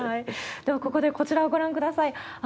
ではここでこちらをご覧ください。